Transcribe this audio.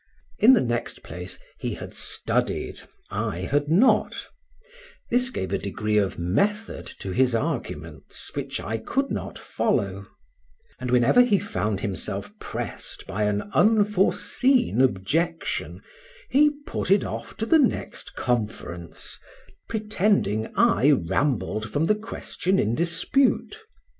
In the next place, he had studied, I had not; this gave a degree of method to his arguments which I could not follow; and whenever he found himself pressed by an unforeseen objection he put it off to the next conference, pretending I rambled from the question in dispute.